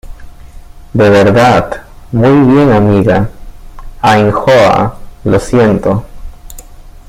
de verdad, muy bien , amiga. Ainhoa , lo siento .